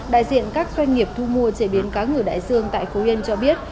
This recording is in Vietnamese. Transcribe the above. đại diện các doanh nghiệp thu mua chế biến cá ngừ đại dương tại phú yên cho biết